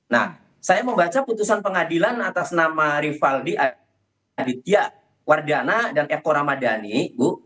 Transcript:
nah saya membaca putusan pengadilan atas nama rivaldi aditya wardana dan eko ramadhani bu